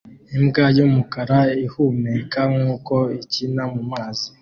Imbwa yumukara ihumeka nkuko ikina mumazi